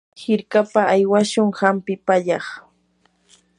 hirkapa aywashun hampi pallaq.